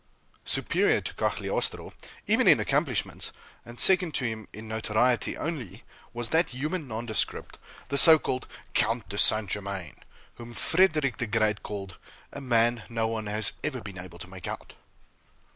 Superior to Cagliostro, even in accomplishments, and second to him in notoriety only, was that human nondescript, the so called Count de St. Germain, whom Fredrick the Great called, "a man no one has ever been able to make out."